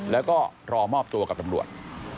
แล้วก็รอมอบตัวกับตำรวจ